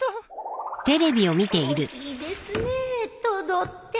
大きいですねトドって